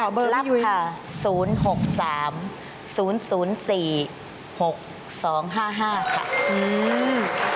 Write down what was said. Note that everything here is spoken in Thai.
ขอเบอร์ไม่อยู่อีกนิดหนึ่งค่ะ๐๖๓๐๐๔๖๒๕๕ค่ะอืม